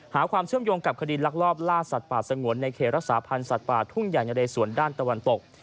หาความเชื่อมโยงกับคดีลักลอบล่าสัตว์ป่าสงวนในเขตรักษาพันธ์สัตว์ป่าทุ่งใหญ่นะเรสวนด้านตะวันตก